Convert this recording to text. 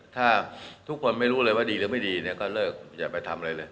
ถ้าทุกคนไม่รู้เลยว่าดีหรือไม่ดีเนี่ยก็เลิกอย่าไปทำอะไรเลย